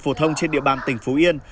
phổ thông trên địa bàn tỉnh phú yên